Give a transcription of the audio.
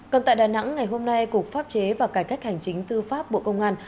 còn tại đà nẵng ngày hôm nay cục pháp chế và cải cách hành chính tư pháp bộ công an